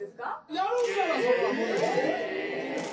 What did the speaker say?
やるんならそれは戻しますいいですか？